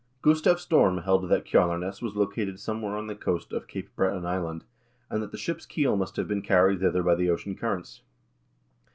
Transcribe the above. Gustav Storm held that Kjalarnes was located somewhere on the coast of Cape Breton Island, and that the ship's keel must have been carried thither by the ocean currents.